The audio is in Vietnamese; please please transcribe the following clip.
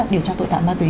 điều tra tội phạm ma túy